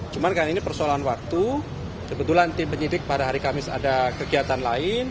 cuma karena ini persoalan waktu kebetulan tim penyidik pada hari kamis ada kegiatan lain